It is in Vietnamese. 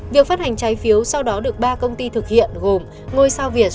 việc phát hành trái phiếu sau đó được ba công ty thực hiện gồm ngôi sao việt